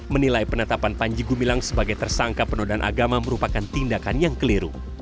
menilai penetapan panjegu bilang sebagai tersangka penodan agama merupakan tindakan yang keliru